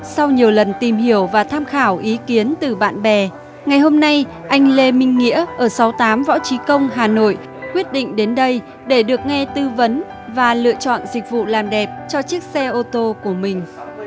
sau nhiều lần tìm hiểu và tham khảo ý kiến từ bạn bè ngày hôm nay anh lê minh nghĩa ở sáu mươi tám võ trí công hà nội quyết định đến đây để được nghe tư vấn và lựa chọn dịch vụ làm đẹp cho chiếc xe ô tô của mình